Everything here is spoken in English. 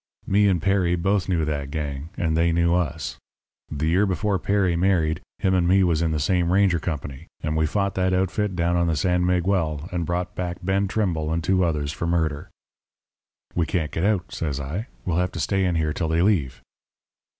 "Me and Petty both knew that gang, and they knew us. The year before Perry married, him and me was in the same ranger company and we fought that outfit down on the San Miguel, and brought back Ben Trimble and two others for murder. "'We can't get out,' says I. 'We'll have to stay in here till they leave.'